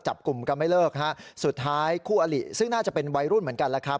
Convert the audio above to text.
จับกลุ่มกันไม่เลิกฮะสุดท้ายคู่อลิซึ่งน่าจะเป็นวัยรุ่นเหมือนกันแล้วครับ